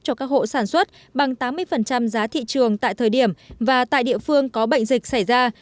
cho các hộ sản xuất bằng tám mươi giá thị trường tại thời điểm và tại địa phương có bệnh dịch xảy ra